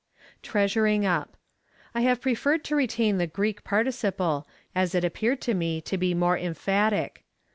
^ Treasuring up. I have prefei red to retain the Greek participle, as it appeared to me to be more emphatic.